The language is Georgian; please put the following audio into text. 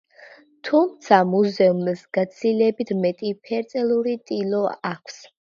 თუმცა მუზეუმს გაცილებით მეტი ფერწერული ტილო აქვს.